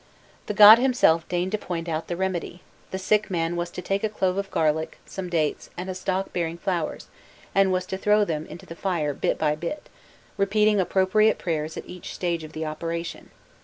The god himself deigned to point out the remedy: the sick man was to take a clove of garlic, some dates, and a stalk bearing flowers, and was to throw them into the fire, bit by bit, repeating appropriate prayers at each stage of the operation.